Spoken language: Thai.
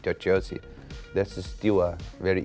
แต่ไชเซียร์นี่ยังเป็นความตให้ได้เลย